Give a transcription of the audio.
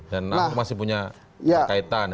dan masih punya kaitan